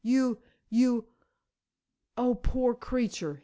"You you oh, poor creature!"